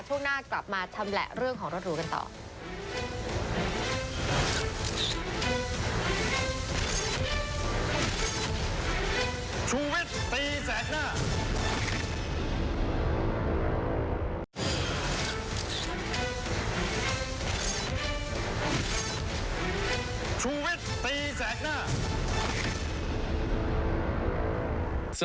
ช่วงหน้ากลับมาชำแหละเรื่องของรถหรูกันต่อ